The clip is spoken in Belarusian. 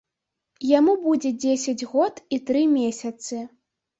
Яму будзе дзесяць год і тры месяцы.